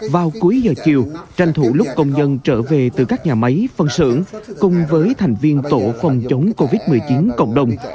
vào cuối giờ chiều tranh thủ lúc công nhân trở về từ các nhà máy phân xưởng cùng với thành viên tổ phòng chống covid một mươi chín cộng đồng